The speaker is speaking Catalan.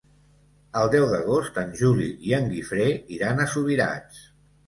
El deu d'agost en Juli i en Guifré iran a Subirats.